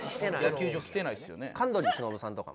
野球場来てないですよね。